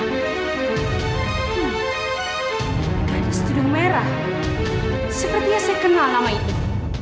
gadis tubung merah sepertinya saya kenal nama itu